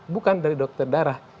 bukan dari dokter darah